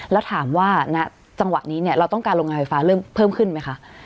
แล้วถามว่าณจังหวะนี้เราต้องการโรงงานไฟฟ้าเริ่มเพิ่มขึ้นไหมคะ